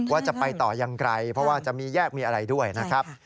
ว่าจะไปต่อยังไกลเพราะว่าจะมีแยกมีอะไรด้วยนะครับ